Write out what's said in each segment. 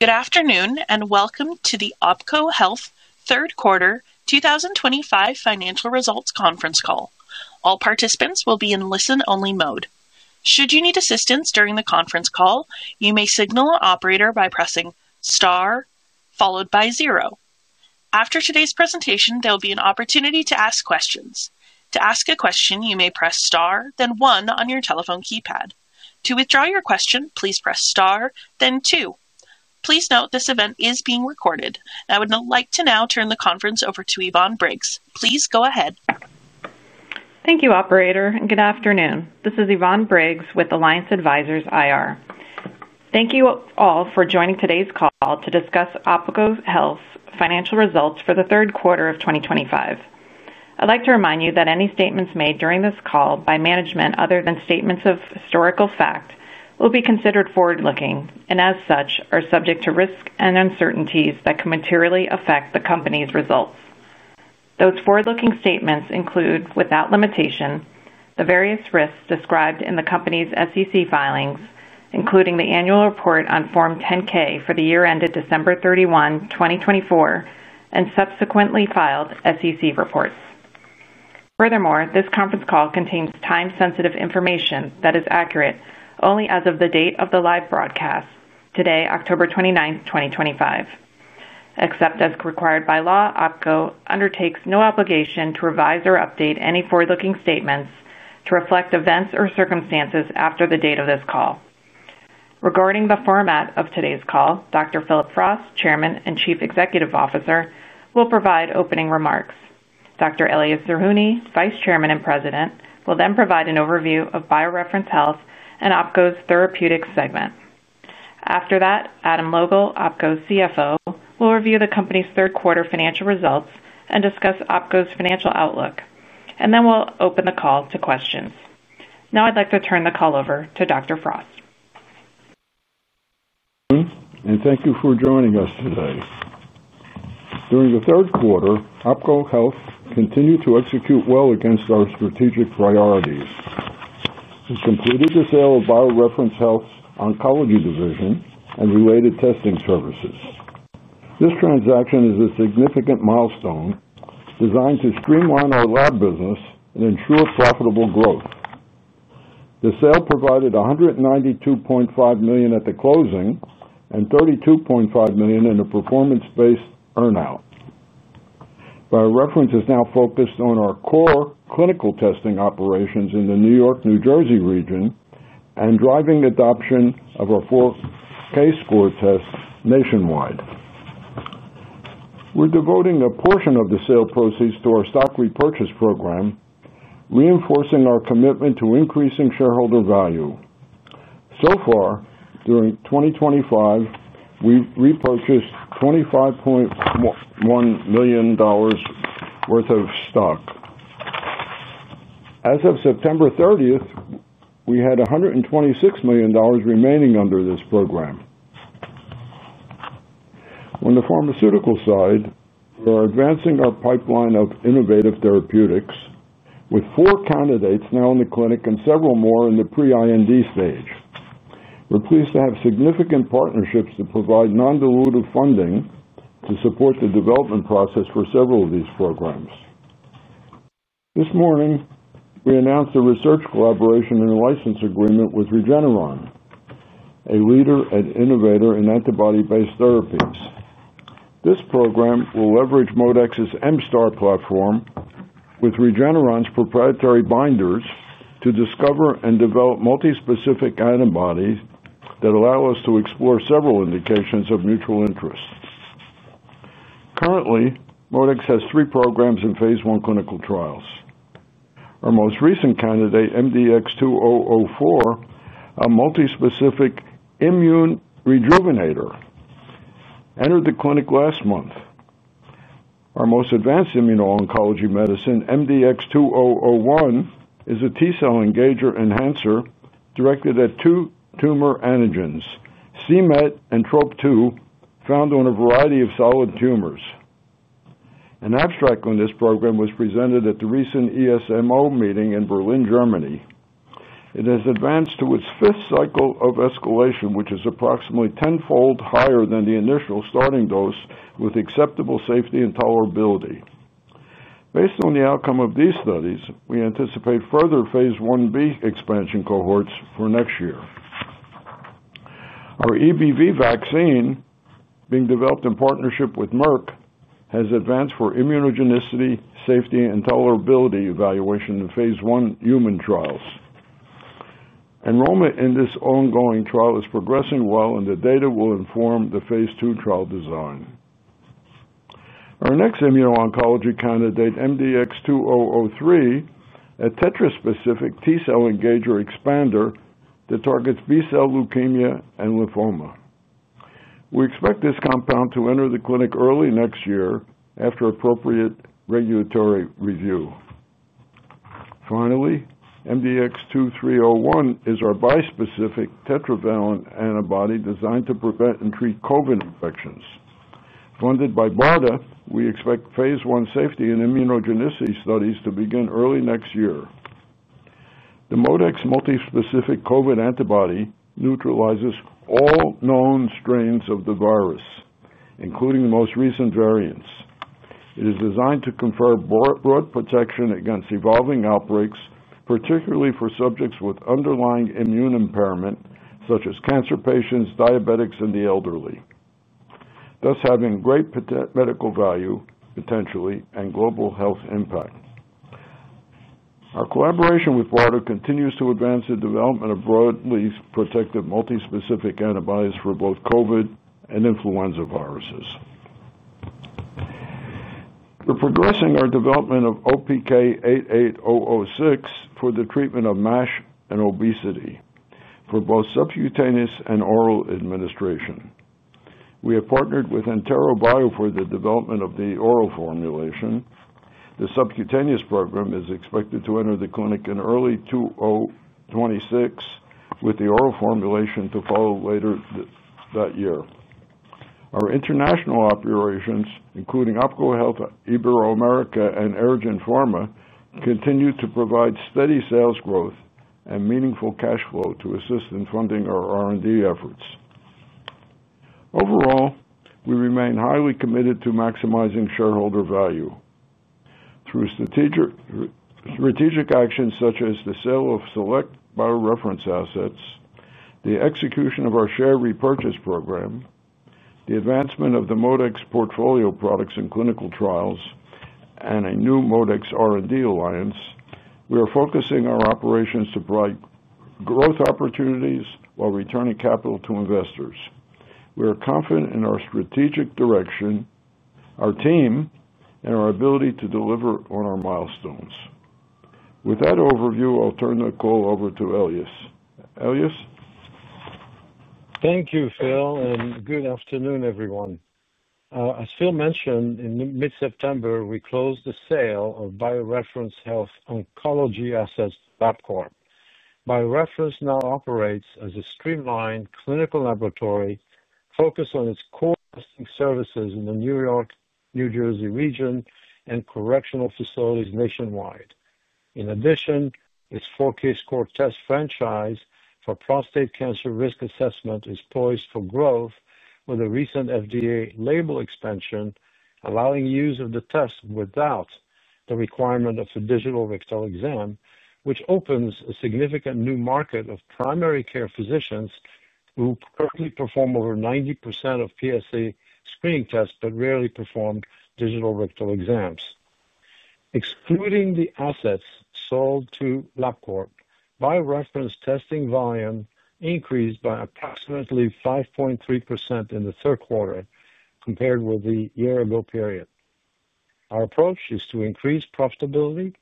Good afternoon and Welcome to the OPKO Health Third Quarter 2025 financial results conference call. All participants will be in listen-only mode. Should you need assistance during the conference call, you may signal an operator by pressing star followed by zero. After today's presentation, there will be an opportunity to ask questions. To ask a question, you may press star, then one on your telephone keypad. To withdraw your question, please press star, then two. Please note this event is being recorded. I would like to now turn the conference over to Yvonne Briggs. Please go ahead. Thank you, operator, and good afternoon. This is Yvonne Briggs with Alliance Advisors IR. Thank you all for joining today's call to discuss OPKO Health's financial results for the third quarter of 2025. I'd like to remind you that any statements made during this call by management other than statements of historical fact will be considered forward-looking and, as such, are subject to risk and uncertainties that can materially affect the company's results. Those forward-looking statements include, without limitation, the various risks described in the company's SEC filings, including the annual report on Form 10-K for the year ended December 31, 2024, and subsequently filed SEC reports. Furthermore, this conference call contains time-sensitive information that is accurate only as of the date of the live broadcast, today, October 29, 2025. Except as required by law, OPKO undertakes no obligation to revise or update any forward-looking statements to reflect events or circumstances after the date of this call. Regarding the format of today's call, Dr. Phil Frost, Chairman and Chief Executive Officer, will provide opening remarks. Dr. Elias Zerhouni, Vice Chairman and President, will then provide an overview of BioReference Health and OPKO therapeutic segment. After that, Adam Logal, OPKO CFO, will review the company's third quarter financial results and discuss OPKO financial outlook. We'll then open the call to questions. Now I'd like to turn the call over to Dr. Frost. Thank you for joining us today. During the third quarter, OPKO Health continued to execute well against our strategic priorities. We completed the sale of BioReference Health's oncology division and related testing services. This transaction is a significant milestone designed to streamline our lab business and ensure profitable growth. The sale provided $192.5 million at the closing and $32.5 million in a performance-based earnout. BioReference is now focused on our core clinical testing operations in the New York, New Jersey region and driving adoption of our 4Kscore test nationwide. We're devoting a portion of the sale proceeds to our share repurchase program, reinforcing our commitment to increasing shareholder value. During 2025, we repurchased $25.1 million worth of stock. As of September 30th, we had $126 million remaining under this program. On the pharmaceutical side, we are advancing our pipeline of innovative therapeutics with four candidates now in the clinic and several more in the pre-IND stage. We're pleased to have significant partnerships to provide non-dilutive funding to support the development process for several of these programs. This morning, we announced a research collaboration and a license agreement with Regeneron, a leader and innovator in antibody-based therapies. This program will leverage ModeX's MSTAR platform with Regeneron's proprietary binders to discover and develop multi-specific antibodies that allow us to explore several indications of mutual interest. Currently, ModeX has three programs in phase I clinical trials. Our most recent candidate, MDX2004, a multi-specific immune rejuvenator, entered the clinic last month. Our most advanced immuno-oncology medicine, MDX2001, is a T-cell engager enhancer directed at two tumor antigens, CMet and Trop2, found on a variety of solid tumors. An abstract on this program was presented at the recent ESMO meeting in Berlin, Germany. It has advanced to its fifth cycle of escalation, which is approximately tenfold higher than the initial starting dose with acceptable safety and tolerability. Based on the outcome of these studies, we anticipate further phase IB expansion cohorts for next year. Our EBV Vaccine, being developed in partnership with Merck, has advanced for immunogenicity, safety, and tolerability evaluation in phase I human trials. Enrollment in this ongoing trial is progressing well, and the data will inform the phase II trial design. Our next immuno-oncology candidate, MDX2003, a tetra-specific T-cell engager expander that targets B-cell leukemia and lymphoma. We expect this compound to enter the clinic early next year after appropriate regulatory review. Finally, MDX2301 is our bispecific tetravalent antibody designed to prevent and treat COVID-19 infections. Funded by BARDA, we expect phase I safety and immunogenicity studies to begin early next year. The ModeX multi-specific COVID-19 antibody neutralizes all known strains of the virus, including the most recent variants. It is designed to confer broad protection against evolving outbreaks, particularly for subjects with underlying immune impairment, such as cancer patients, diabetics, and the elderly. Thus, having great medical value, potentially, and global health impact. Our collaboration with BARDA continues to advance the development of broadly protective multi-specific antibodies for both COVID-19 and influenza viruses. We're progressing our development of OPK-88006 for the treatment of MASH and obesity for both subcutaneous and oral administration. We have partnered with Entera for the development of the oral formulation. The subcutaneous program is expected to enter the clinic in early 2026 with the oral formulation to follow later that year. Our international operations, including OPKO Health, Iberoamerica, and Eirgen Pharma, continue to provide steady sales growth and meaningful cash flow to assist in funding our R&D efforts. Overall, we remain highly committed to maximizing shareholder value through strategic actions such as the sale of select BioReference assets, the execution of our share repurchase program, the advancement of the ModeX portfolio products in clinical trials, and a new ModeX R&D alliance. We are focusing our operations to provide growth opportunities while returning capital to investors. We are confident in our strategic direction, our team, and our ability to deliver on our milestones. With that overview, I'll turn the call over to Elias. Elias? Thank you, Phil, and good afternoon, everyone. As Phil mentioned, in mid-September, we closed the sale of BioReference Health oncology assets to Labcorp. BioReference now operates as a streamlined clinical laboratory focused on its core testing services in the New York, New Jersey region and correctional facilities nationwide. In addition, its 4Kscore test franchise for prostate cancer risk assessment is poised for growth with a recent FDA label expansion allowing use of the test without the requirement of a digital rectal exam, which opens a significant new market of primary care physicians who currently perform over 90% of PSA screening tests but rarely perform digital rectal exams. Excluding the assets sold to Labcorp, BioReference testing volume increased by approximately 5.3% in the third quarter compared with the year-ago period. Our approach is to increase profitability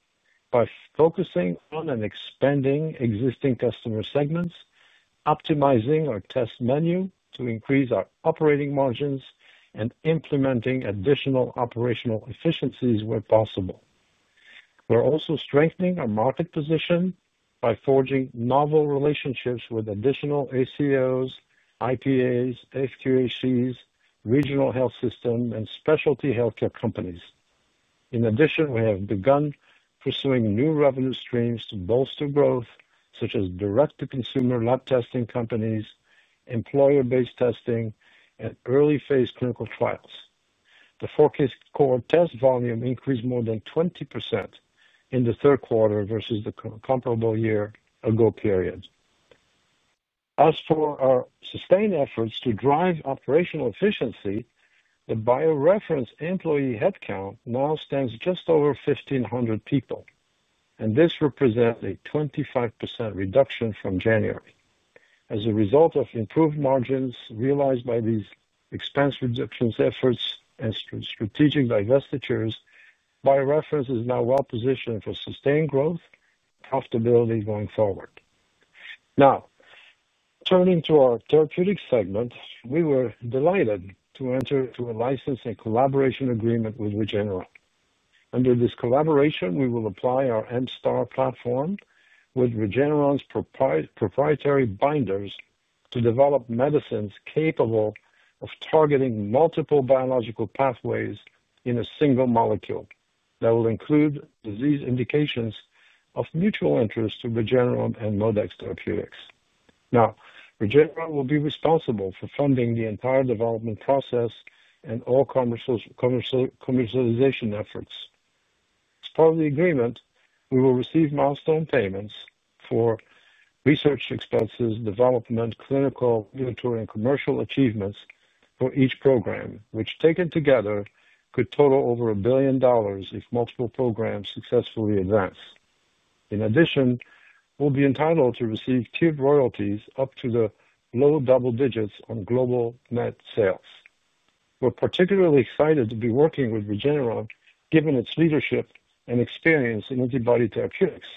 by focusing on and expanding existing customer segments, optimizing our test menu to increase our operating margins, and implementing additional operational efficiencies where possible. We are also strengthening our market position by forging novel relationships with additional ACOs, IPAs, FQHCs, regional health systems, and specialty healthcare companies. In addition, we have begun pursuing new revenue streams to bolster growth, such as direct-to-consumer lab testing companies, employer-based testing, and early-phase clinical trials. The 4Kscore test volume increased more than 20% in the third quarter versus the comparable year-ago period. As for our sustained efforts to drive operational efficiency, the BioReference employee headcount now stands just over 1,500 people, and this represents a 25% reduction from January. As a result of improved margins realized by these expense reduction efforts and strategic divestitures, BioReference is now well-positioned for sustained growth and profitability going forward. Now, turning to our therapeutic segment, we were delighted to enter into a license and collaboration agreement with Regeneron. Under this collaboration, we will apply our MSTAR platform with Regeneron's proprietary binders to develop medicines capable of targeting multiple biological pathways in a single molecule. That will include disease indications of mutual interest to Regeneron and ModeX Therapeutics. Regeneron will be responsible for funding the entire development process and all commercialization efforts. As part of the agreement, we will receive milestone payments for research expenses, development, clinical, regulatory, and commercial achievements for each program, which, taken together, could total over $1 billion if multiple programs successfully advance. In addition, we'll be entitled to receive tiered royalties up to the low double digits on global net sales. We're particularly excited to be working with Regeneron given its leadership and experience in antibody therapeutics.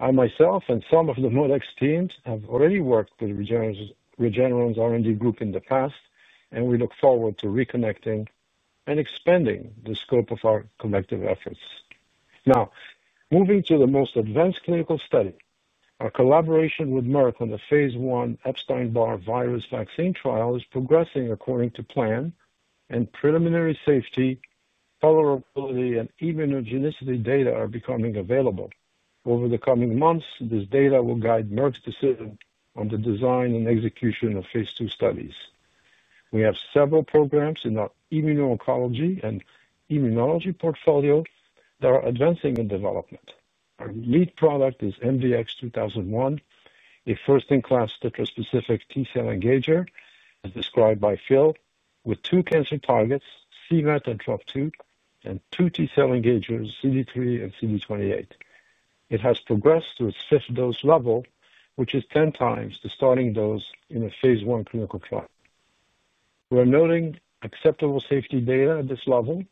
I myself and some of the ModeX teams have already worked with Regeneron's R&D group in the past, and we look forward to reconnecting and expanding the scope of our collective efforts. Now, moving to the most advanced clinical study, our collaboration with Merck on the phase I Epstein-Barr virus vaccine trial is progressing according to plan, and preliminary safety, tolerability, and immunogenicity data are becoming available. Over the coming months, this data will guide Merck's decision on the design and execution of phase II studies. We have several programs in our immuno-oncology and immunology portfolio that are advancing in development. Our lead product is MDX2001, a first-in-class tetra-specific T-cell engager, as described by Phil, with two cancer targets, CMet and Trop2, and two T-cell engagers, CD3 and CD28. It has progressed to its fifth dose level, which is 10x the starting dose in a phase I clinical trial. We're noting acceptable safety data at this level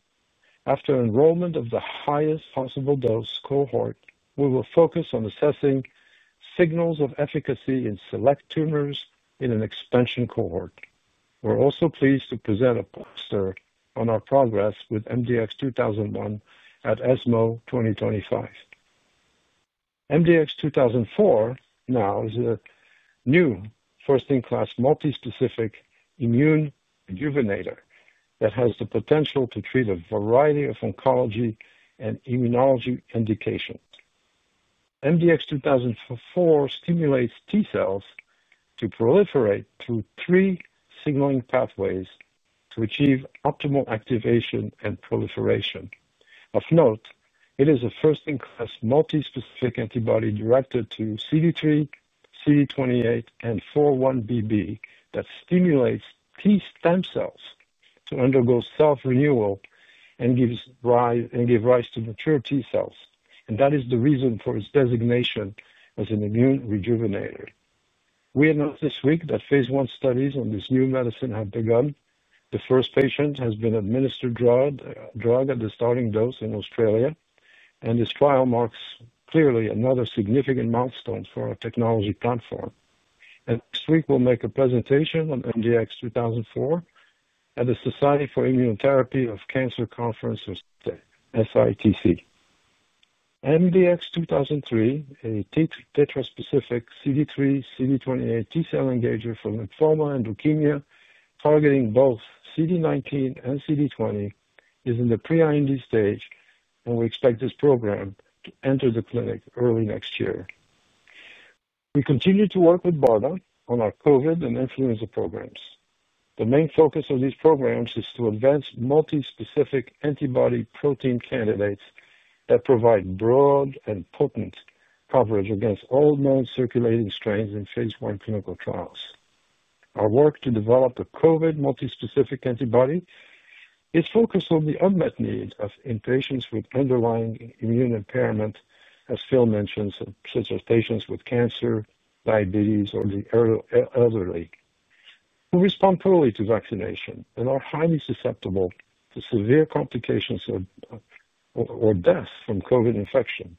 after enrollment of the highest possible dose cohort. We will focus on assessing signals of efficacy in select tumors in an expansion cohort. We're also pleased to present a poster on our progress with MDX2001 at ESMO 2025. MDX2004 now is a new first-in-class multi-specific immune rejuvenator that has the potential to treat a variety of oncology and immunology indications. MDX2004 stimulates T cells to proliferate through three signaling pathways to achieve optimal activation and proliferation. Of note, it is a first-in-class multi-specific antibody directed to CD3, CD28, and 4-1BB that stimulates T stem cells to undergo self-renewal and give rise to mature T cells. That is the reason for its designation as an immune rejuvenator. We announced this week that phase I studies on this new medicine have begun. The first patient has been administered a drug at the starting dose in Australia, and this trial marks clearly another significant milestone for our technology platform. Next week, we'll make a presentation on MDX2004 at the Society for Immunotherapy of Cancer Conference, or SITC. MDX2003, a tetra-specific CD3, CD28 T-cell engager for lymphoma and leukemia, targeting both CD19 and CD20, is in the pre-IND stage, and we expect this program to enter the clinic early next year. We continue to work with BARDA on our COVID and influenza programs. The main focus of these programs is to advance multi-specific antibody protein candidates that provide broad and potent coverage against all known circulating strains in phase I clinical trials. Our work to develop a COVID multi-specific antibody is focused on the unmet needs of patients with underlying immune impairment, as Phil mentioned, such as patients with cancer, diabetes, or the elderly who respond poorly to vaccination and are highly susceptible to severe complications or death from COVID infection.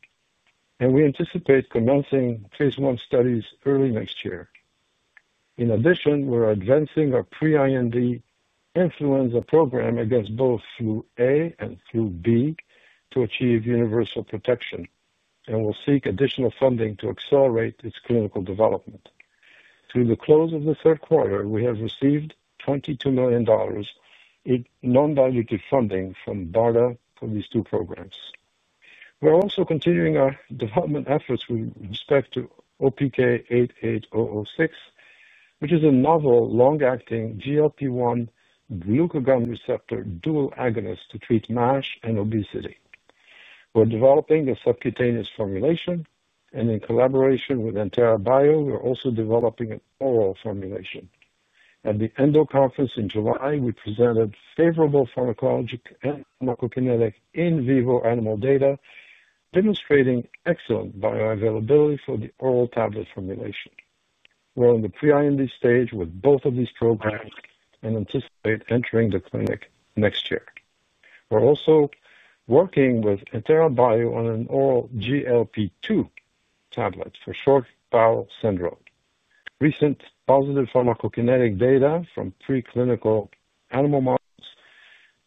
We anticipate commencing phase I studies early next year. In addition, we're advancing our pre-IND influenza program against both flu A and flu B to achieve universal protection, and we'll seek additional funding to accelerate its clinical development. Through the close of the third quarter, we have received $22 million in non-dilutive funding from BARDA for these two programs. We're also continuing our development efforts with respect to OPK-88006, which is a novel long-acting GLP-1/Glucagon receptor dual agonist to treat MASH and obesity. We're developing a subcutaneous formulation, and in collaboration with Entera, we're also developing an oral formulation. At the ENDO conference in July, we presented favorable pharmacologic and pharmacokinetic in vivo animal data, demonstrating excellent bioavailability for the oral tablet formulation. We're in the pre-IND stage with both of these programs and anticipate entering the clinic next year. We're also working with Entera on an oral GLP-2 tablet for short bowel syndrome. Recent positive pharmacokinetic data from preclinical animal models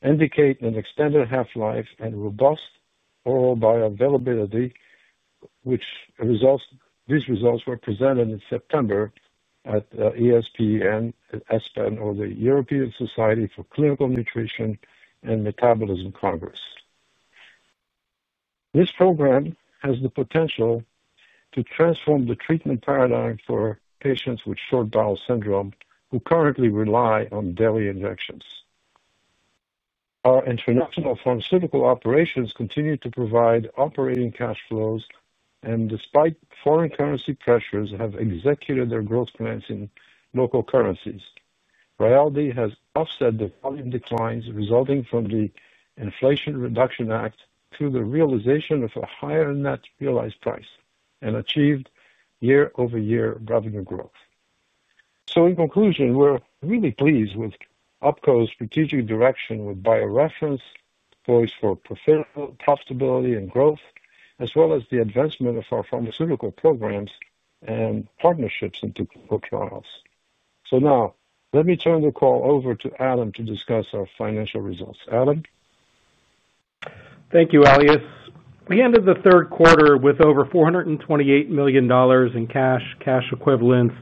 indicate an extended half-life and robust oral bioavailability. These results were presented in September at ESPEN, or the European Society for Clinical Nutrition and Metabolism Congress. This program has the potential to transform the treatment paradigm for patients with short bowel syndrome who currently rely on daily injections. Our international pharmaceutical operations continue to provide operating cash flows, and despite foreign currency pressures, have executed their growth plans in local currencies. Vitality has offset the volume declines resulting from the Inflation Reduction Act through the realization of a higher net realized price and achieved year-over-year revenue growth. In conclusion, we're really pleased with OPKO strategic direction with BioReference poised for profitability and growth, as well as the advancement of our pharmaceutical programs and partnerships in clinical trials. Now, let me turn the call over to Adam to discuss our financial results. Adam? Thank you, Elias. We ended the third quarter with over $428 million in cash, cash equivalents,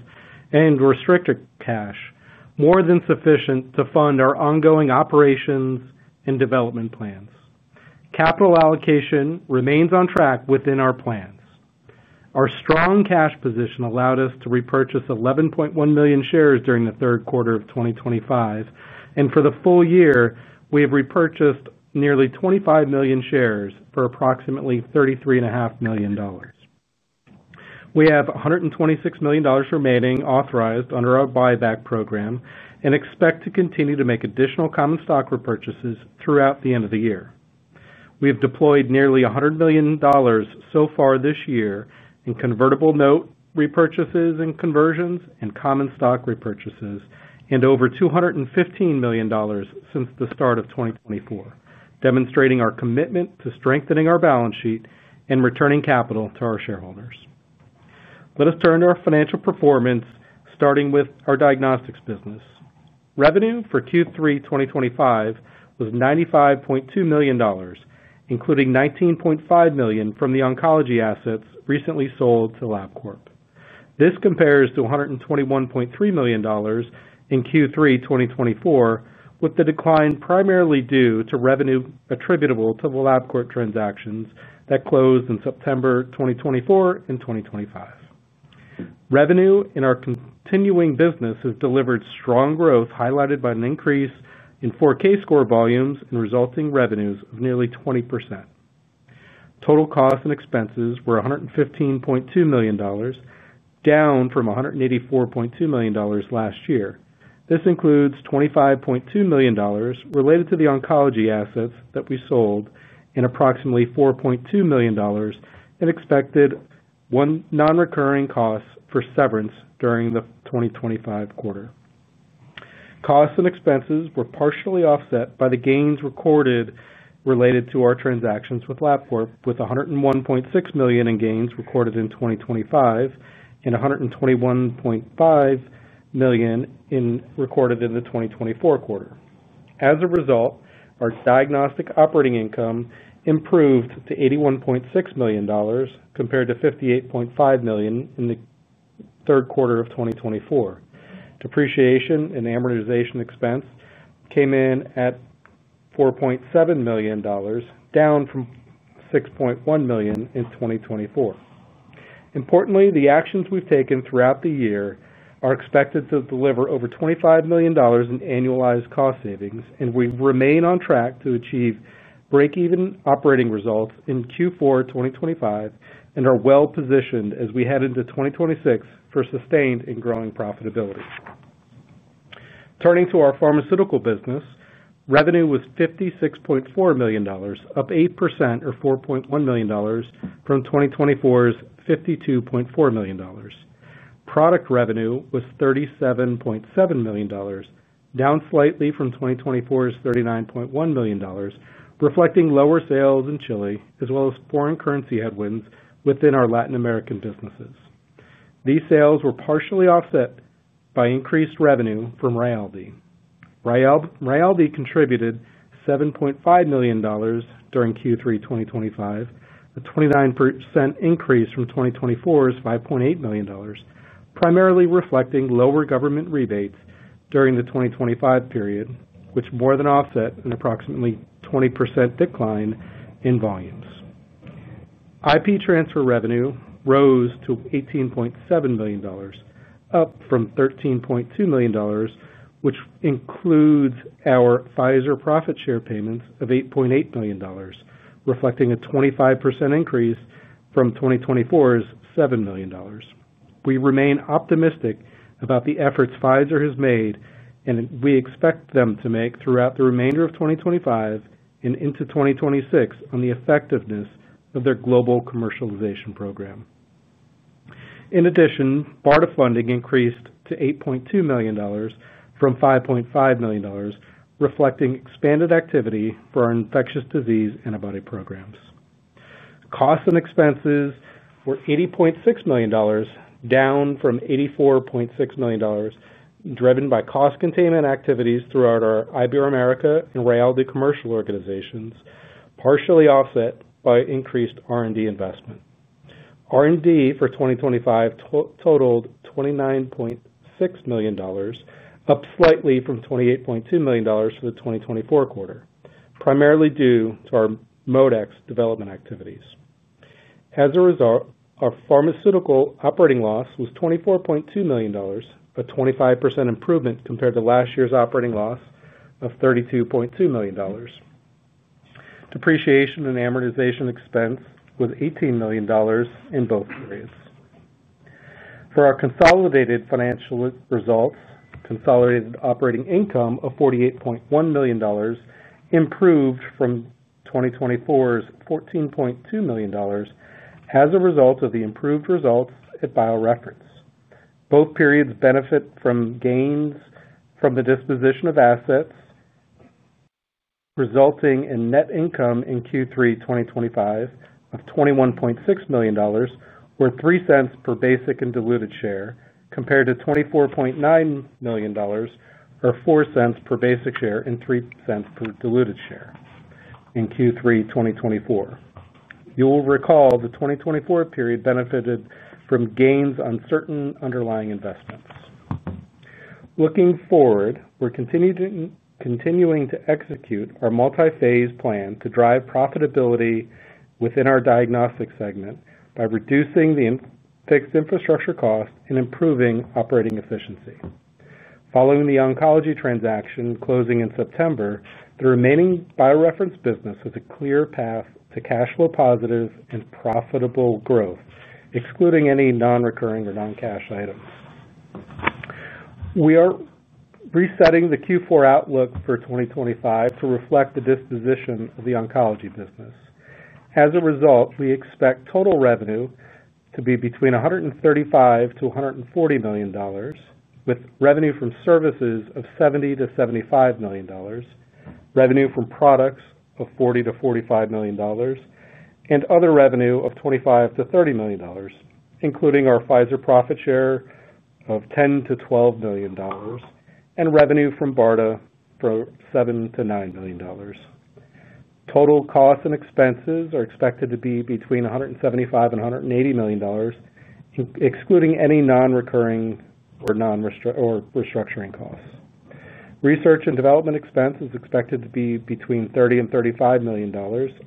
and restricted cash, more than sufficient to fund our ongoing operations and development plans. Capital allocation remains on track within our plans. Our strong cash position allowed us to repurchase 11.1 million shares during the third quarter of 2025, and for the full year, we have repurchased nearly 25 million shares for approximately $33.5 million. We have $126 million remaining authorized under our buyback program and expect to continue to make additional common stock repurchases throughout the end of the year. We have deployed nearly $100 million so far this year in convertible note repurchases and conversions and common stock repurchases, and over $215 million since the start of 2024, demonstrating our commitment to strengthening our balance sheet and returning capital to our shareholders. Let us turn to our financial performance, starting with our diagnostics business. Revenue for Q3 2025 was $95.2 million, including $19.5 million from the oncology assets recently sold to Labcorp. This compares to $121.3 million in Q3 2024, with the decline primarily due to revenue attributable to the Labcorp transactions that closed in September 2024 and 2025. Revenue in our continuing business has delivered strong growth, highlighted by an increase in 4Kscore volumes and resulting revenues of nearly 20%. Total costs and expenses were $115.2 million, down from $184.2 million last year. This includes $25.2 million related to the oncology assets that we sold and approximately $4.2 million in expected non-recurring costs for severance during the 2025 quarter. Costs and expenses were partially offset by the gains recorded related to our transactions with Labcorp, with $101.6 million in gains recorded in 2025 and $121.5 million recorded in the 2024 quarter. As a result, our diagnostic operating income improved to $81.6 million compared to $58.5 million in the third quarter of 2024. Depreciation and amortization expense came in at $4.7 million, down from $6.1 million in 2024. Importantly, the actions we've taken throughout the year are expected to deliver over $25 million in annualized cost savings, and we remain on track to achieve break-even operating results in Q4 2025 and are well-positioned as we head into 2026 for sustained and growing profitability. Turning to our pharmaceutical business, revenue was $56.4 million, up 8% or $4.1 million from 2024's $52.4 million. Product revenue was $37.7 million, down slightly from 2024's $39.1 million, reflecting lower sales in Chile, as well as foreign currency headwinds within our Latin America businesses. These sales were partially offset by increased revenue from Vitality. Vitality contributed $7.5 million during Q3 2025, a 29% increase from 2024's $5.8 million, primarily reflecting lower government rebates during the 2025 period, which more than offset an approximately 20% decline in volumes. IP transfer revenue rose to $18.7 million, up from $13.2 million, which includes our Pfizer profit share payments of $8.8 million, reflecting a 25% increase from 2024's $7 million. We remain optimistic about the efforts Pfizer has made, and we expect them to make throughout the remainder of 2025 and into 2026 on the effectiveness of their global commercialization program. In addition, BARDA funding increased to $8.2 million from $5.5 million, reflecting expanded activity for our infectious disease antibody programs. Costs and expenses were $80.6 million, down from $84.6 million, driven by cost containment activities throughout our Iberoamerica and Vitality commercial organizations, partially offset by increased R&D investment. R&D for 2025 totaled $29.6 million, up slightly from $28.2 million for the 2024 quarter, primarily due to our ModeX development activities. As a result, our pharmaceutical operating loss was $24.2 million, a 25% improvement compared to last year's operating loss of $32.2 million. Depreciation and amortization expense was $18 million in both periods. For our consolidated financial results, consolidated operating income of $48.1 million improved from 2024's $14.2 million as a result of the improved results at BioReference. Both periods benefit from gains from the disposition of assets, resulting in net income in Q3 2025 of $21.6 million, or $0.03 per basic and diluted share, compared to $24.9 million, or $0.04 per basic share and $0.03 per diluted share in Q3 2024. You will recall the 2024 period benefited from gains on certain underlying investments. Looking forward, we're continuing to execute our multi-phase plan to drive profitability within our diagnostic segment by reducing the fixed infrastructure cost and improving operating efficiency. Following the oncology transaction closing in September, the remaining BioReference business has a clear path to cash flow positives and profitable growth, excluding any non-recurring or non-cash items. We are resetting the Q4 outlook for 2025 to reflect the disposition of the oncology business. As a result, we expect total revenue to be between $135 million-$140 million, with revenue from services of $70 million-$75 million, revenue from products of $40 million-$45 million, and other revenue of $25 million-$30 million, including our Pfizer profit share of $10 million-$12 million, and revenue from BARDA for $7 million-$9 million. Total costs and expenses are expected to be between $175 million and $180 million, excluding any non-recurring or non-restructuring costs. Research and development expense is expected to be between $30 million and $35 million,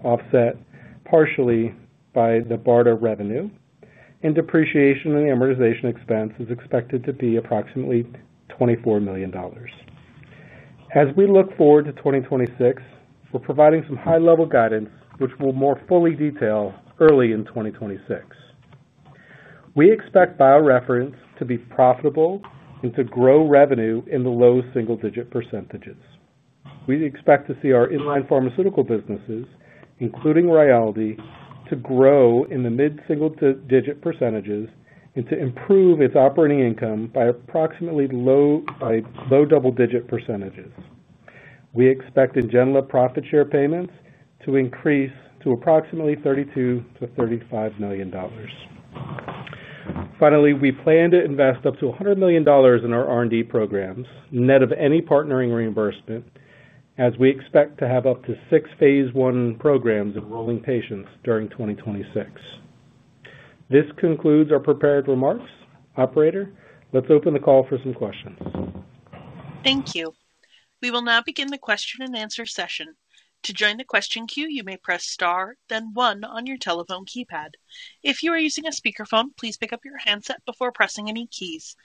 offset partially by the BARDA revenue, and depreciation and amortization expense is expected to be approximately $24 million. As we look forward to 2026, we're providing some high-level guidance, which we'll more fully detail early in 2026. We expect BioReference to be profitable and to grow revenue in the low single-digit percentages. We expect to see our inline pharmaceutical businesses, including Vitality, to grow in the mid-single-digit percentages and to improve its operating income by approximately low double-digit percentages. We expect Ngenla profit share payments to increase to approximately $32 million-$35 million. Finally, we plan to invest up to $100 million in our R&D programs, net of any partnering reimbursement, as we expect to have up to six phase I programs enrolling patients during 2026. This concludes our prepared remarks. Operator, let's open the call for some questions. Thank you. We will now begin the question and answer session. To join the question queue, you may press star, then one on your telephone keypad. If you are using a speakerphone, please pick up your handset before pressing any keys.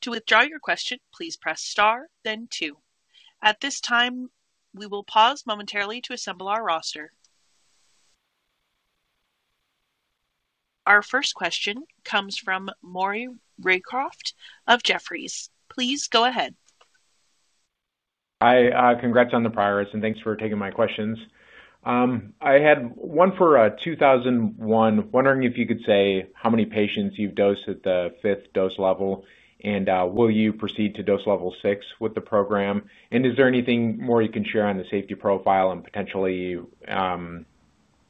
To withdraw your question, please press star, then two. At this time, we will pause momentarily to assemble our roster. Our first question comes from Maury Raycroft of Jefferies. Please go ahead. Hi. Congrats on the priors, and thanks for taking my questions. I had one for MDX2001. Wondering if you could say how many patients you've dosed at the fifth dose level, and will you proceed to dose level six with the program? Is there anything more you can share on the safety profile and potentially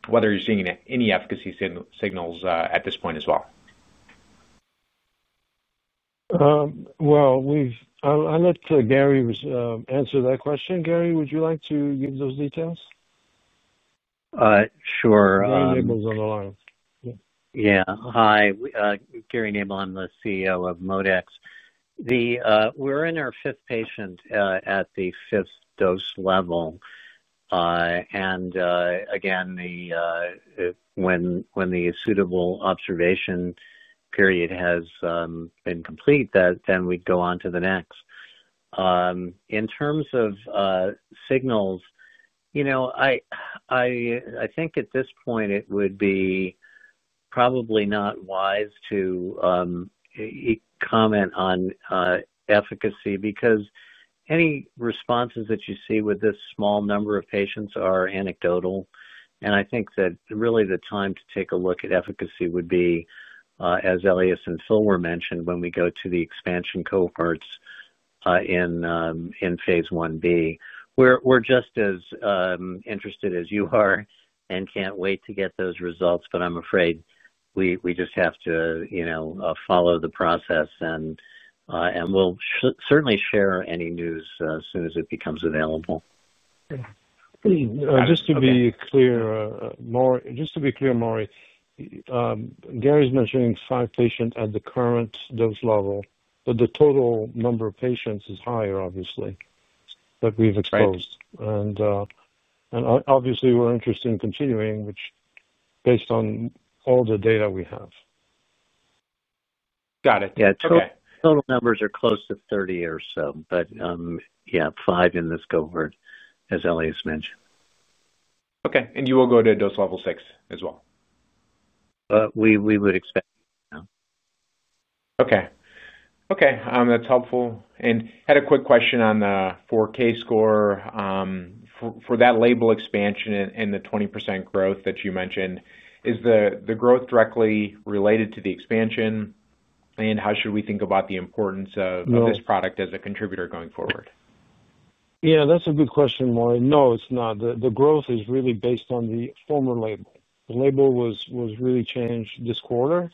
whether you're seeing any efficacy signals at this point as well? I'll let Gary answer that question. Gary, would you like to give those details? Sure. Gary Nabel is on the line. Yeah. Hi. Gary Nabel, I'm the CEO of ModeX. We're in our fifth patient at the fifth dose level. When the suitable observation period has been complete, we'd go on to the next. In terms of signals, I think at this point it would be probably not wise to comment on efficacy because any responses that you see with this small number of patients are anecdotal. I think that really the time to take a look at efficacy would be, as Elias and Phil were mentioning, when we go to the expansion cohorts in phase I B. We're just as interested as you are and can't wait to get those results, but I'm afraid we just have to follow the process, and we'll certainly share any news as soon as it becomes available. Just to be clear, Maury, Gary's mentioning five patients at the current dose level, but the total number of patients is higher, obviously, that we've exposed. We're interested in continuing, which is based on all the data we have. Got it. Yeah, total numbers are close to 30 or so, but yeah, five in this cohort, as Elias mentioned. Okay, you will go to dose level six as well? We would expect it now. Okay. That's helpful. I had a quick question on the 4Kscore for that label expansion and the 20% growth that you mentioned. Is the growth directly related to the expansion, and how should we think about the importance of this product as a contributor going forward? Yeah, that's a good question, Maury. No, it's not. The growth is really based on the former label. The label was really changed this quarter.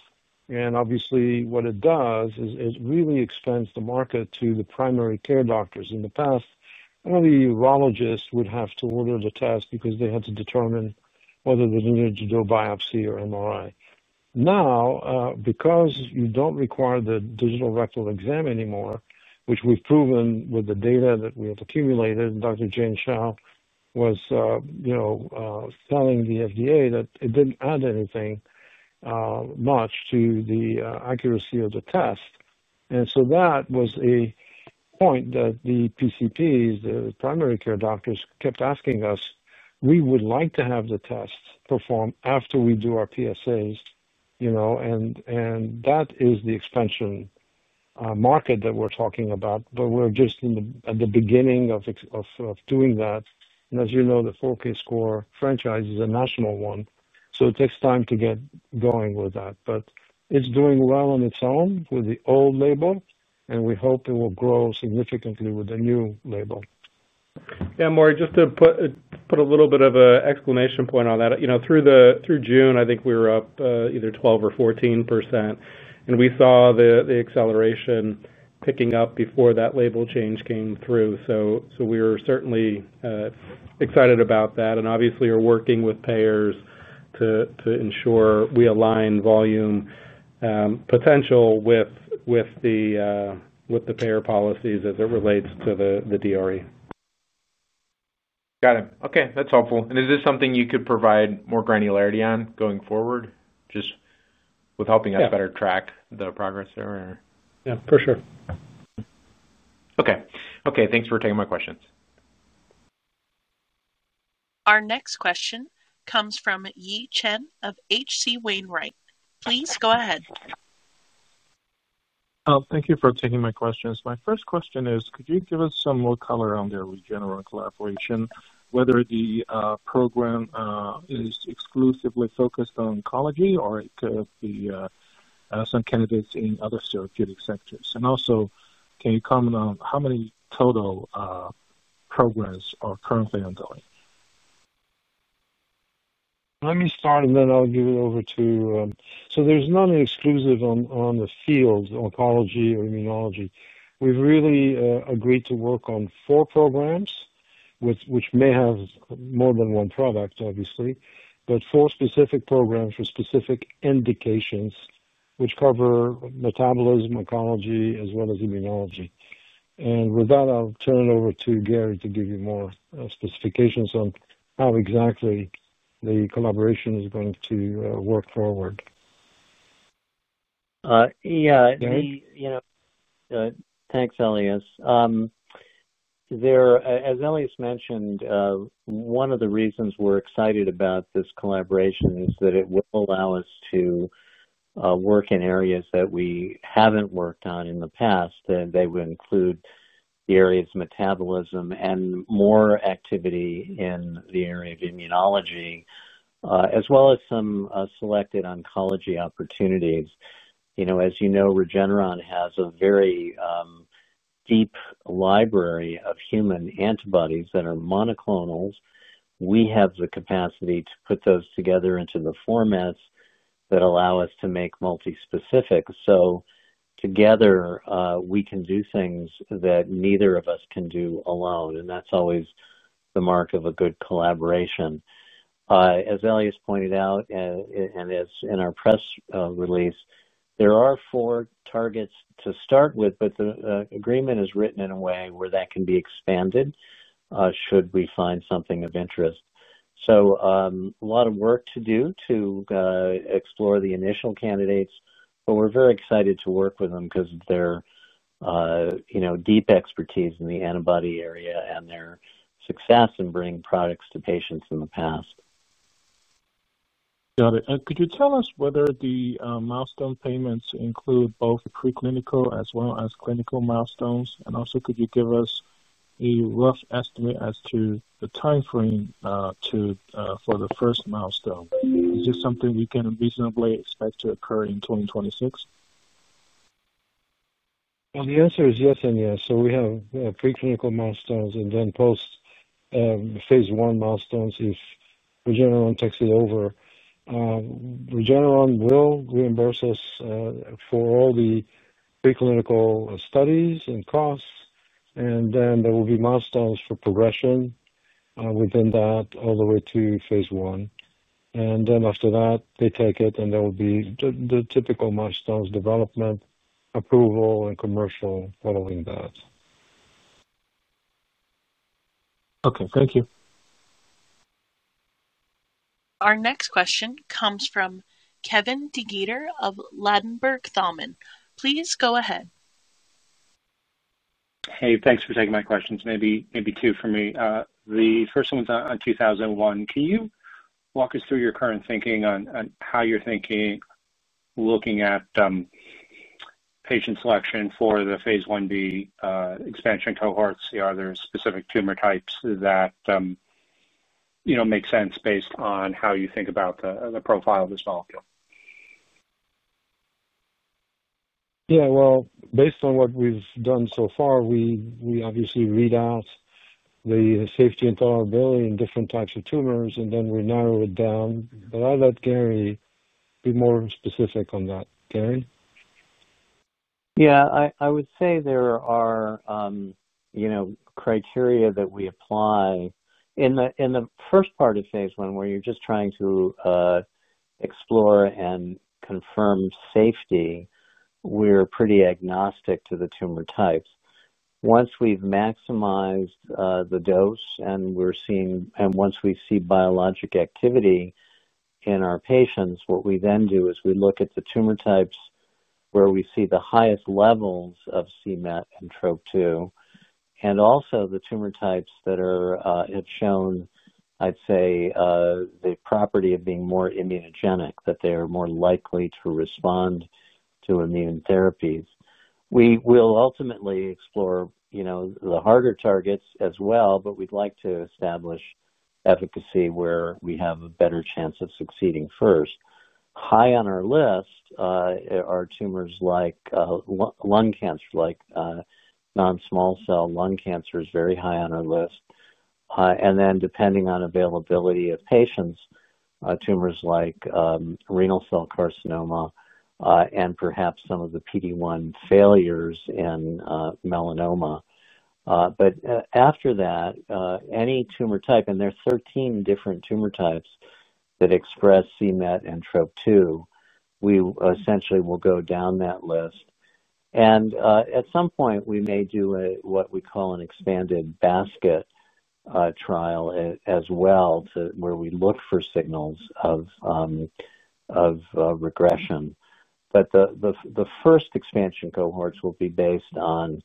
Obviously, what it does is it really expands the market to the primary care physicians. In the past, only urologists would have to order the test because they had to determine whether they needed to do a biopsy or MRI. Now, because you don't require the digital rectal exam anymore, which we've proven with the data that we have accumulated, and Dr. Jane Chow was telling the FDA that it didn't add anything much to the accuracy of the test. That was a point that the primary care physicians kept asking us. We would like to have the test performed after we do our PSAs. That is the expansion market that we're talking about, but we're just at the beginning of doing that. As you know, the 4Kscore franchise is a national one, so it takes time to get going with that. It's doing well on its own with the old label, and we hope it will grow significantly with the new label. Yeah, Maury, just to put a little bit of an exclamation point on that. Through June, I think we were up either 12% or 14%, and we saw the acceleration picking up before that label change came through. We were certainly excited about that and obviously are working with payers to ensure we align volume potential with the payer policies as it relates to the digital rectal exam. Got it. Okay, that's helpful. Is this something you could provide more granularity on going forward, just with helping us better track the progress there? Yeah, for sure. Okay. Thanks for taking my questions. Our next question comes from Yi Chen of H.C. Wainwright. Please go ahead. Thank you for taking my questions. My first question is, could you give us some more color on the Regeneron collaboration, whether the program is exclusively focused on oncology or it could be some candidates in other therapeutic sectors? Also, can you comment on how many total programs are currently ongoing? Let me start, and then I'll give it over to you. There's none exclusive on the field, oncology or immunology. We've really agreed to work on four programs, which may have more than one product, obviously, but four specific programs for specific indications, which cover metabolism, oncology, as well as immunology. With that, I'll turn it over to Gary to give you more specifications on how exactly the collaboration is going to work forward. Yeah. Thanks, Elias. As Elias mentioned, one of the reasons we're excited about this collaboration is that it will allow us to work in areas that we haven't worked on in the past, and they would include the areas of metabolism and more activity in the area of immunology, as well as some selected oncology opportunities. As you know, Regeneron has a very deep library of human antibodies that are monoclonals. We have the capacity to put those together into the formats that allow us to make multi-specific. Together, we can do things that neither of us can do alone, and that's always the mark of a good collaboration. As Elias pointed out, and as in our press release, there are four targets to start with, but the agreement is written in a way where that can be expanded should we find something of interest. A lot of work to do to explore the initial candidates, but we're very excited to work with them because of their deep expertise in the antibody area and their success in bringing products to patients in the past. Got it. Could you tell us whether the milestone payments include both preclinical as well as clinical milestones? Also, could you give us a rough estimate as to the timeframe for the first milestone? Is this something we can reasonably expect to occur in 2026? The answer is yes and yes. We have preclinical milestones and then post-phase I milestones if Regeneron takes it over. Regeneron will reimburse us for all the preclinical studies and costs, and then there will be milestones for progression within that all the way to phase I. After that, they take it, and there will be the typical milestones: development, approval, and commercial following that. Okay, thank you. Our next question comes from Kevin DeGeeter of Ladenburg Thalmann. Please go ahead. Hey, thanks for taking my questions. Maybe two from me. The first one's on MDX2001. Can you walk us through your current thinking on how you're thinking looking at patient selection for the phase I B expansion cohorts? Are there specific tumor types that make sense based on how you think about the profile of this molecule? Based on what we've done so far, we obviously read out the safety and tolerability in different types of tumors, and then we narrow it down. I'll let Gary be more specific on that. Gary? Yeah. I would say there are criteria that we apply. In the first part of phase I, where you're just trying to explore and confirm safety, we're pretty agnostic to the tumor types. Once we've maximized the dose and we're seeing, and once we see biologic activity in our patients, what we then do is we look at the tumor types where we see the highest levels of CMet and Trop2 and also the tumor types that have shown, I'd say, the property of being more immunogenic, that they are more likely to respond to immune therapies. We will ultimately explore the harder targets as well, but we'd like to establish efficacy where we have a better chance of succeeding first. High on our list are tumors like lung cancer, like non-small cell lung cancer is very high on our list. Depending on availability of patients, tumors like renal cell carcinoma and perhaps some of the PD-1 failures in melanoma. After that, any tumor type, and there are 13 different tumor types that express CMet and Trop2, we essentially will go down that list. At some point, we may do what we call an expanded basket trial as well, where we look for signals of regression. The first expansion cohorts will be based on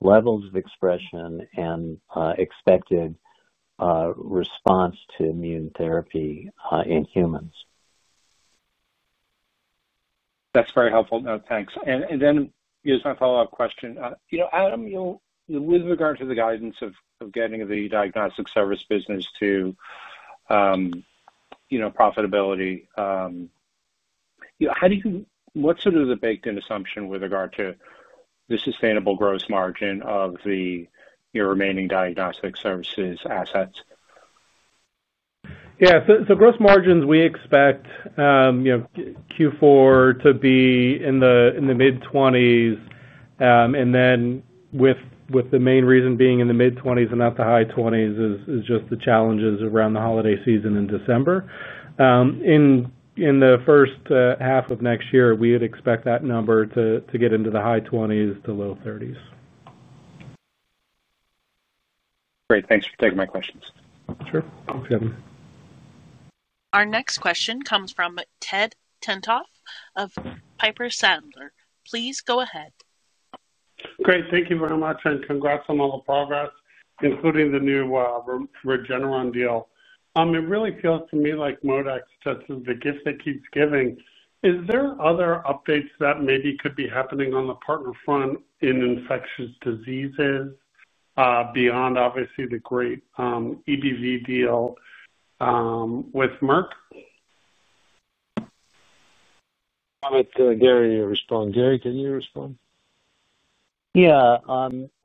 levels of expression and expected response to immune therapy in humans. That's very helpful. No, thanks. Here's my follow-up question. You know, Adam, with regard to the guidance of getting the diagnostic service business to profitability, what's sort of the baked-in assumption with regard to the sustainable gross margin of your remaining diagnostic services assets? Yeah. Gross margins we expect Q4 to be in the mid-20%. The main reason being in the mid-20% and not the high 20% is just the challenges around the holiday season in December. In the first half of next year, we would expect that number to get into the high 20% to low 30%. Great. Thanks for taking my questions. Sure. Thanks, Kevin. Our next question comes from Ted Tenthoff of Piper Sandler. Please go ahead. Great. Thank you very much, and congrats on all the progress, including the new Regeneron deal. It really feels to me like ModeX just is the gift that keeps giving. Is there other updates that maybe could be happening on the partner front in infectious diseases, beyond obviously the great EBV deal with Merck? I'll let Gary respond. Gary, can you respond? Yeah,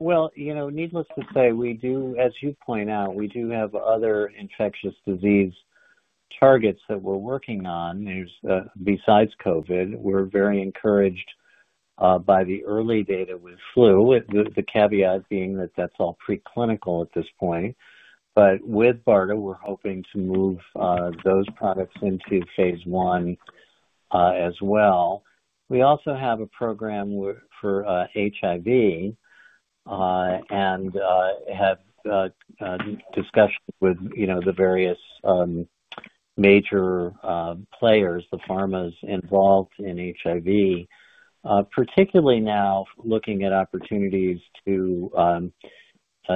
needless to say, we do, as you point out, we do have other infectious disease targets that we're working on. There's, besides COVID-19, we're very encouraged by the early data with flu, the caveat being that that's all preclinical at this point. With BARDA, we're hoping to move those products into phase I as well. We also have a program for HIV and have a discussion with the various major players, the pharmas involved in HIV, particularly now looking at opportunities to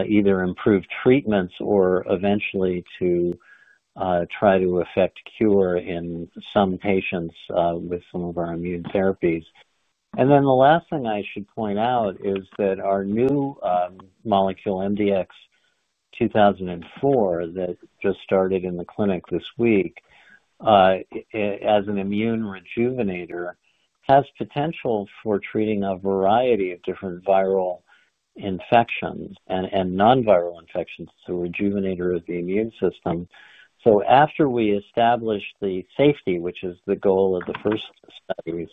either improve treatments or eventually to try to effect cure in some patients with some of our immune therapies. The last thing I should point out is that our new molecule, MDX2004, that just started in the clinic this week as an immune rejuvenator, has potential for treating a variety of different viral infections and non-viral infections. It's a rejuvenator of the immune system. After we establish the safety, which is the goal of the first studies,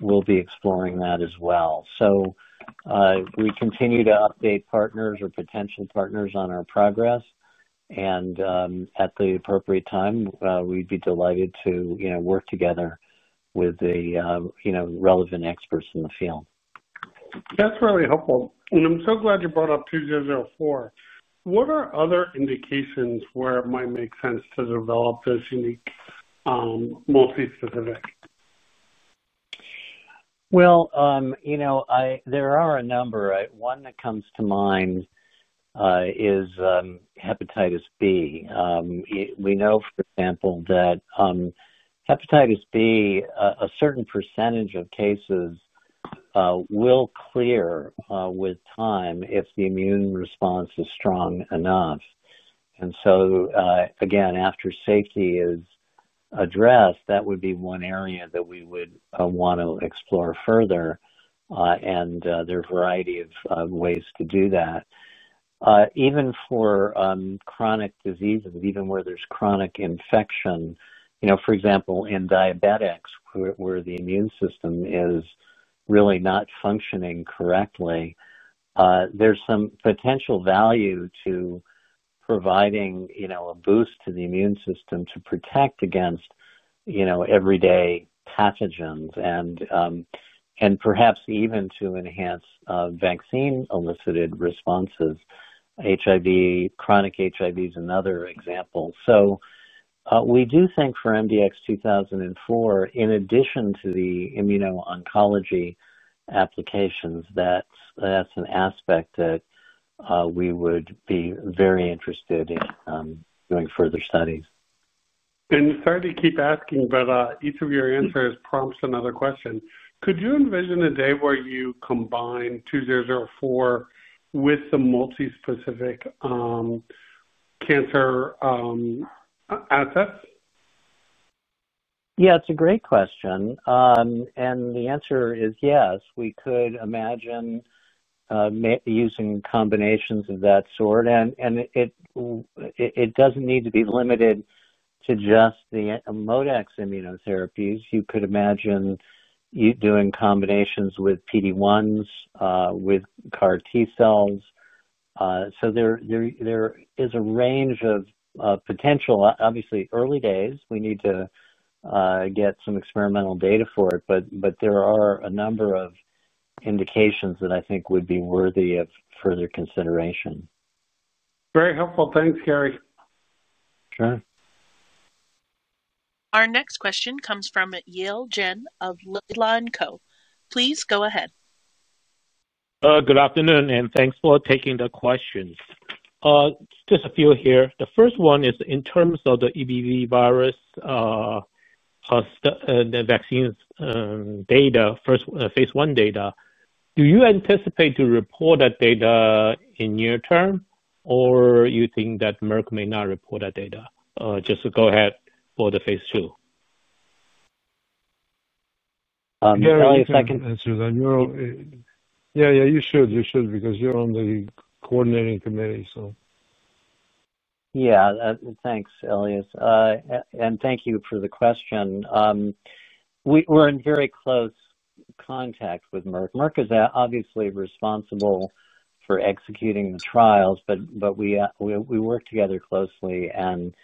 we'll be exploring that as well. We continue to update partners or potential partners on our progress. At the appropriate time, we'd be delighted to work together with the relevant experts in the field. That's really helpful. I'm so glad you brought up two years ago. What are other indications where it might make sense to develop this unique, multi-specific? There are a number. One that comes to mind is Hepatitis B. We know, for example, that Hepatitis B, a certain % of cases, will clear with time if the immune response is strong enough. Again, after safety is addressed, that would be one area that we would want to explore further. There are a variety of ways to do that. Even for chronic diseases, even where there's chronic infection, for example, in diabetics, where the immune system is really not functioning correctly, there's some potential value to providing a boost to the immune system to protect against everyday pathogens and perhaps even to enhance vaccine-elicited responses. Chronic HIV is another example. We do think for MDX2004, in addition to the immuno-oncology applications, that's an aspect that we would be very interested in doing further studies. Sorry to keep asking, but each of your answers prompts another question. Could you envision a day where you combine two years ago four with the multi-specific cancer assets? Yeah, it's a great question. The answer is yes. We could imagine using combinations of that sort, and it doesn't need to be limited to just the ModeX immunotherapies. You could imagine doing combinations with PD-1s, with CAR T cells. There is a range of potential. Obviously, early days, we need to get some experimental data for it, but there are a number of indications that I think would be worthy of further consideration. Very helpful. Thanks, Gary. Sure. Our next question comes from Yale Jen of Laidlaw and Co.. Please go ahead. Good afternoon, and thanks for taking the questions. Just a few here. The first one is in terms of the EBV virus and the vaccine data, first phase I data. Do you anticipate to report that data in the near term, or do you think that Merck may not report that data? Just go ahead for the phase II. You should because you're on the coordinating committee. Thanks, Elias. And thank you for the question. We're in very close contact with Merck. Merck is obviously responsible for executing the trials, but we work together closely and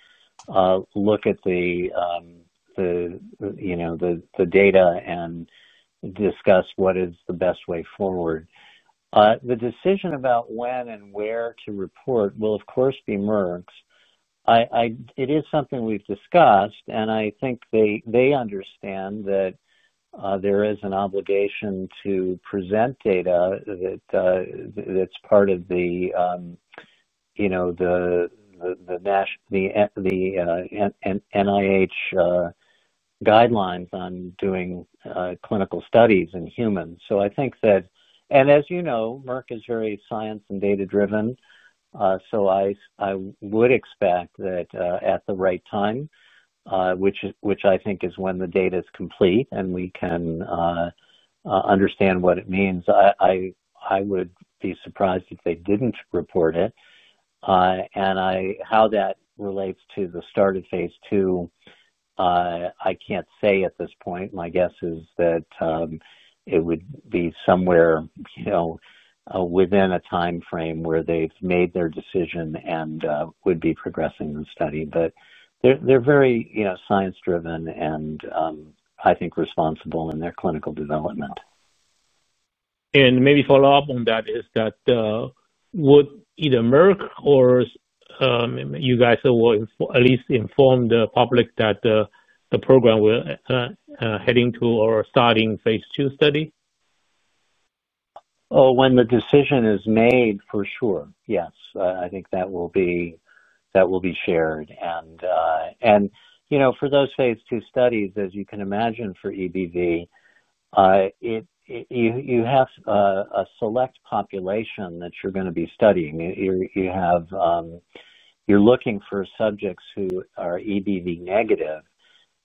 look at the data and discuss what is the best way forward. The decision about when and where to report will, of course, be Merck's. It is something we've discussed, and I think they understand that there is an obligation to present data that's part of the NIH guidelines on doing clinical studies in humans. I think that, and as you know, Merck is very science and data-driven. I would expect that at the right time, which I think is when the data is complete and we can understand what it means, I would be surprised if they didn't report it. How that relates to the start of phase II, I can't say at this point. My guess is that it would be somewhere within a timeframe where they've made their decision and would be progressing the study. They're very science-driven and, I think, responsible in their clinical development. Maybe a follow-up on that is, would either Merck or you guys at least inform the public that the program will head into or is starting a phase II study? When the decision is made, for sure, yes. I think that will be shared. For those phase II studies, as you can imagine, for EBV, you have a select population that you're going to be studying. You're looking for subjects who are EBV negative,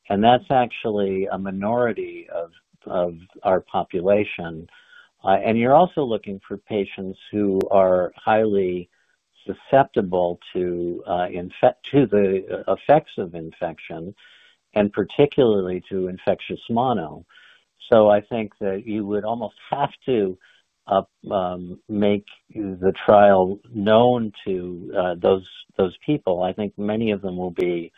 and that's actually a minority of our population. You're also looking for patients who are highly susceptible to the effects of infection and particularly to infectious mono. I think that you would almost have to make the trial known to those people. I think many of them will be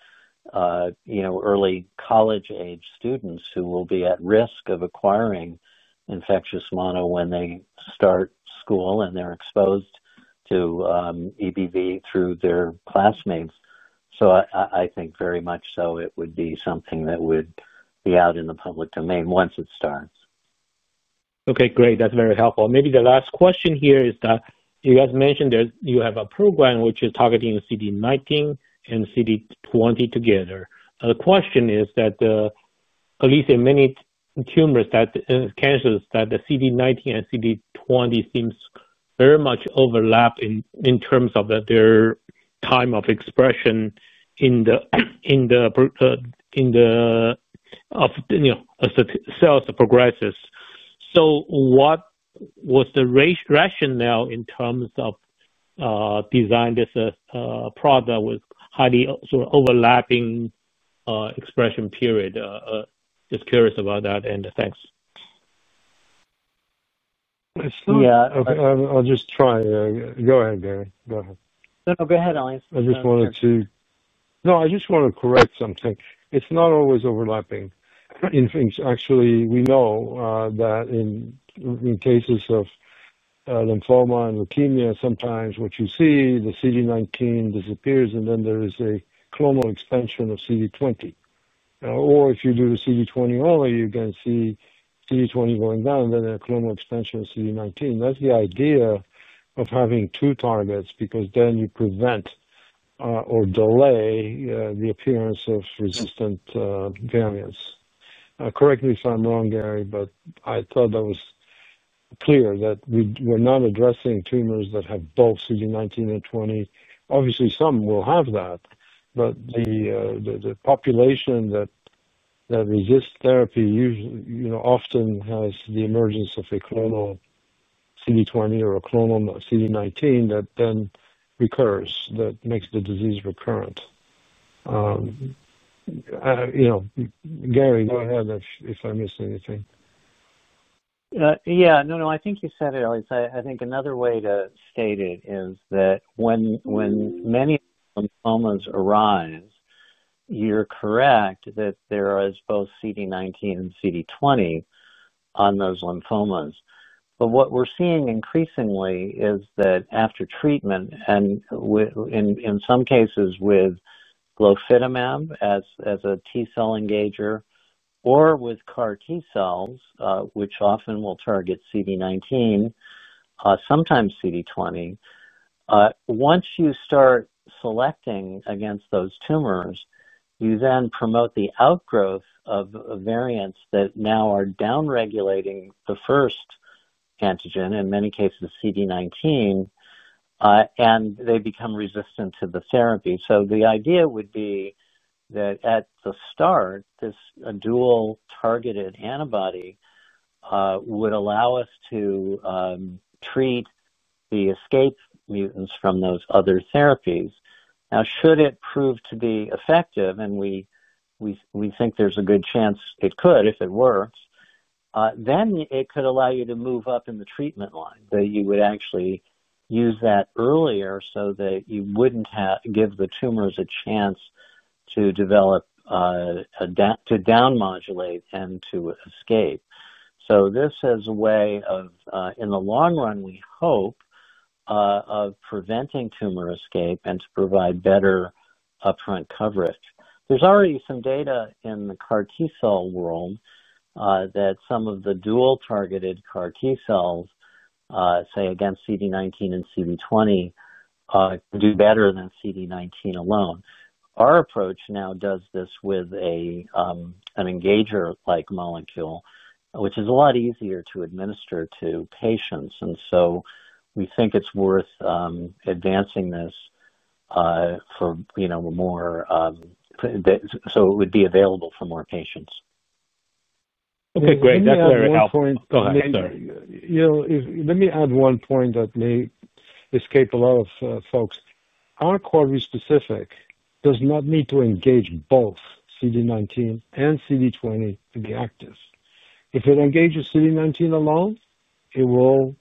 early college-age students who will be at risk of acquiring infectious mono when they start school and they're exposed to EBV through their classmates. I think very much so it would be something that would be out in the public domain once it starts. Okay. Great. That's very helpful. Maybe the last question here is that you guys mentioned that you have a program which is targeting CD19 and CD20 together. The question is that at least in many cancers, the CD19 and CD20 seem very much overlap in terms of their time of expression in the cells that progress. What was the rationale in terms of designing this product with highly sort of overlapping expression period? Just curious about that, and thanks. Yeah, I'll just try. Go ahead, Gary. Go ahead. No, go ahead, Elias. I just want to correct something. It's not always overlapping in things. Actually, we know that in cases of lymphoma and leukemia, sometimes what you see, the CD19 disappears, and then there is a clonal expansion of CD20. If you do the CD20 only, you can see CD20 going down, and then a clonal expansion of CD19. That's the idea of having two targets because then you prevent or delay the appearance of resistant variants. Correct me if I'm wrong, Gary, but I thought that was clear that we're not addressing tumors that have both CD19 and 20. Obviously, some will have that, but the population that resists therapy usually often has the emergence of a clonal CD20 or a clonal CD19 that then recurs, that makes the disease recurrent. Gary, go ahead if I missed anything. Yeah. No, I think you said it, Elias. I think another way to state it is that when many lymphomas arise, you're correct that there is both CD19 and CD20 on those lymphomas. What we're seeing increasingly is that after treatment, and in some cases with Glofitamab as a T-cell engager or with CAR T cells, which often will target CD19, sometimes CD20, once you start selecting against those tumors, you then promote the outgrowth of variants that now are downregulating the first antigen, in many cases CD19, and they become resistant to the therapy. The idea would be that at the start, this dual-targeted antibody would allow us to treat the escape mutants from those other therapies. Now, should it prove to be effective, and we think there's a good chance it could if it works, then it could allow you to move up in the treatment line, that you would actually use that earlier so that you wouldn't give the tumors a chance to develop to down-modulate and to escape. This is a way of, in the long run, we hope, of preventing tumor escape and to provide better upfront coverage. There's already some data in the CAR T cell world that some of the dual-targeted CAR T cells, say, against CD19 and CD20, do better than CD19 alone. Our approach now does this with an engager-like molecule, which is a lot easier to administer to patients. We think it's worth advancing this for more, so it would be available for more patients. Okay. Great. That's very helpful. Go ahead, sir. Let me add one point that may escape a lot of folks. Our core-specific does not need to engage both CD19 and CD20 to be active. If it engages CD19 alone, it will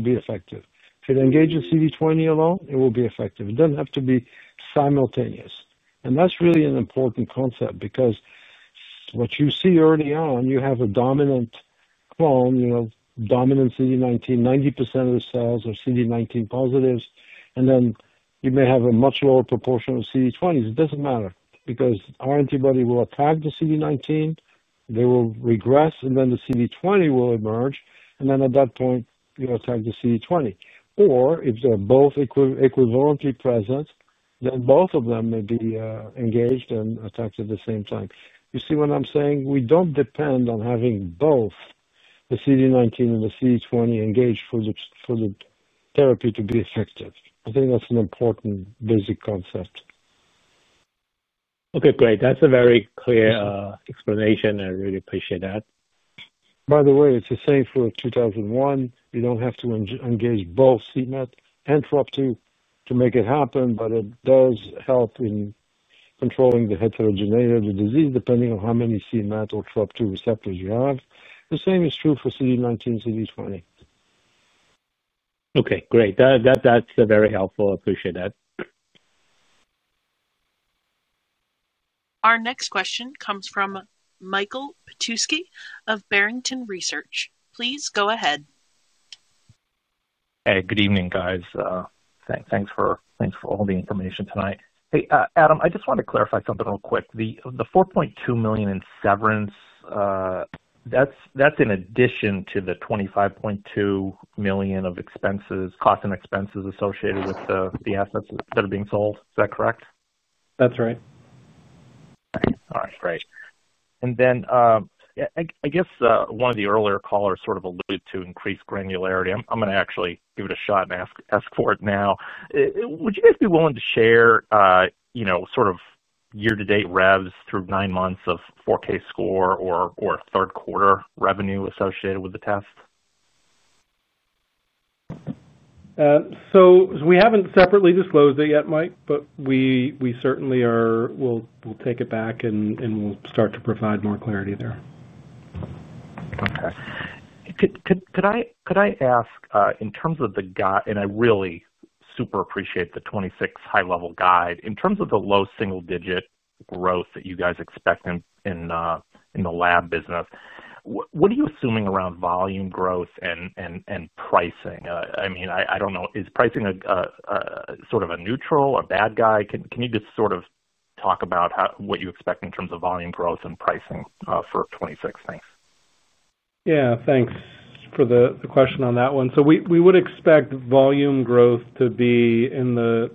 be effective. If it engages CD20 alone, it will be effective. It doesn't have to be simultaneous. That's really an important concept because what you see early on, you have a dominant clone, dominant CD19, 90% of the cells are CD19 positives, and then you may have a much lower proportion of CD20s. It doesn't matter because our antibody will attack the CD19, they will regress, and then the CD20 will emerge. At that point, you attack the CD20. If they're both equivalently present, then both of them may be engaged and attacked at the same time. You see what I'm saying? We don't depend on having both the CD19 and the CD20 engaged for the therapy to be effective. I think that's an important basic concept. Okay. Great. That's a very clear explanation. I really appreciate that. By the way, it's the same for MDX2001. You don't have to engage both CMet and Trop2 to make it happen, but it does help in controlling the heterogeneity of the disease depending on how many CMet or Trop2 receptors you have. The same is true for CD19 and CD20. Okay. Great. That's very helpful. I appreciate that. Our next question comes from Michael Petusky of Barrington Research. Please go ahead. Hey, good evening, guys. Thanks for all the information tonight. Hey, Adam, I just wanted to clarify something real quick. The $4.2 million in severance, that's in addition to the $25.2 million of costs and expenses associated with the assets that are being sold. Is that correct? That's right. All right. Great. I guess one of the earlier callers sort of alluded to increased granularity. I'm going to actually give it a shot and ask for it now. Would you guys be willing to share, you know, sort of year-to-date revenue through nine months of 4Kscore test or third quarter revenue associated with the test? We haven't separately disclosed it yet, Mike, but we certainly will take it back and we'll start to provide more clarity there. Okay. Could I ask, in terms of the guide, and I really super appreciate the 2026 high-level guide, in terms of the low single-digit growth that you guys expect in the lab business, what are you assuming around volume growth and pricing? I mean, I don't know. Is pricing a sort of a neutral or bad guy? Can you just sort of talk about what you expect in terms of volume growth and pricing for 2026? Thanks. Thanks for the question on that one. We would expect volume growth to be in the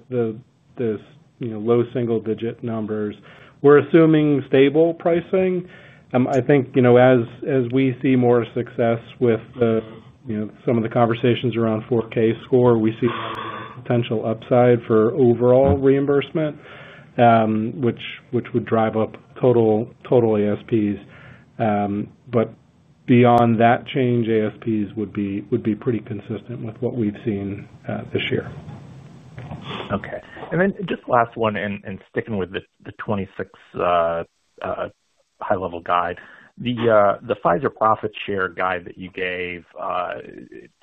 low single-digit numbers. We're assuming stable pricing. I think, as we see more success with some of the conversations around 4Kscore test, we see more of a potential upside for overall reimbursement, which would drive up total ASPs. Beyond that change, ASPs would be pretty consistent with what we've seen this year. Okay. Just the last one in sticking with the 2026 high-level guide. The Pfizer profit share guide that you gave,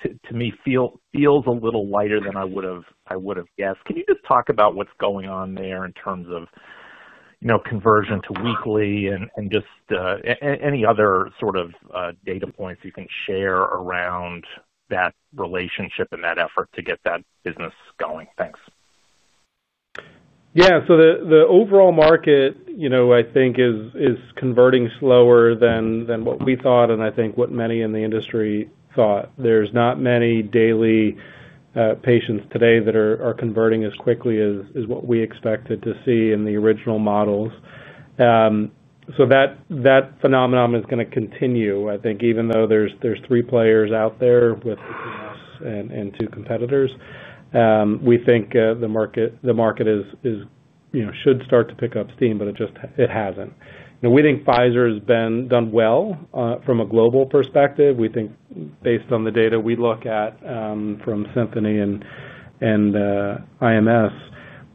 to me, feels a little lighter than I would have guessed. Can you just talk about what's going on there in terms of conversion to weekly and just any other sort of data points you think to share around that relationship and that effort to get that business going? Thanks. Yeah. The overall market, you know, I think is converting slower than what we thought, and I think what many in the industry thought. There's not many daily patients today that are converting as quickly as what we expected to see in the original models. That phenomenon is going to continue, I think, even though there's three players out there with us and two competitors. We think the market should start to pick up steam, but it just hasn't. We think Pfizer has done well from a global perspective. We think, based on the data we look at from Symphony and IMS,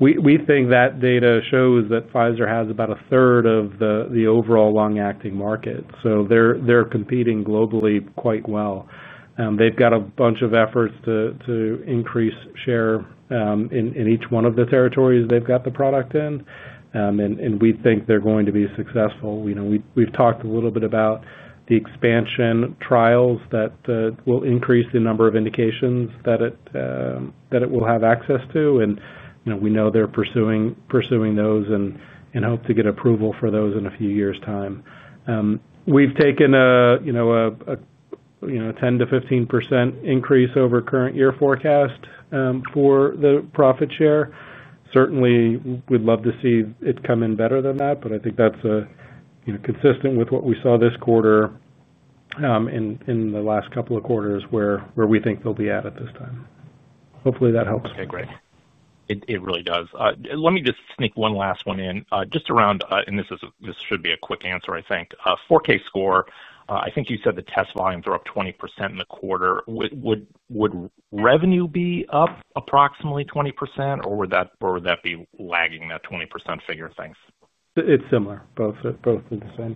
that data shows that Pfizer has about a third of the overall long-acting market. They're competing globally quite well. They've got a bunch of efforts to increase share in each one of the territories they've got the product in, and we think they're going to be successful. We've talked a little bit about the expansion trials that will increase the number of indications that it will have access to, and we know they're pursuing those and hope to get approval for those in a few years' time. We've taken a 10% -15% increase over current year forecast for the profit share. Certainly, we'd love to see it come in better than that, but I think that's consistent with what we saw this quarter in the last couple of quarters where we think they'll be at at this time. Hopefully, that helps. Okay. Great. It really does. Let me just sneak one last one in just around, and this should be a quick answer, I think. 4Kscore, I think you said the test volumes are up 20% in the quarter. Would revenue be up approximately 20%, or would that be lagging, that 20% figure? Thanks. It's similar; both are the same.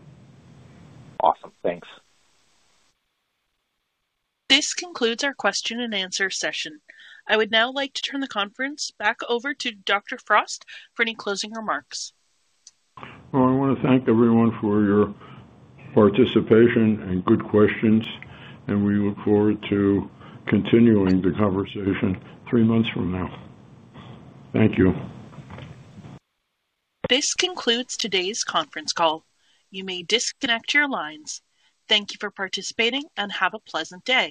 Awesome. Thanks. This concludes our question and answer session. I would now like to turn the conference back over to Dr. Frost for any closing remarks. I want to thank everyone for your participation and good questions, and we look forward to continuing the conversation three months from now. Thank you. This concludes today's conference call. You may disconnect your lines. Thank you for participating and have a pleasant day.